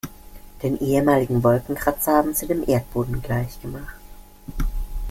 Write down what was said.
Den ehemaligen Wolkenkratzer haben sie dem Erdboden gleichgemacht.